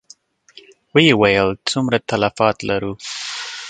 ويې ويل: څومره تلفات لرو؟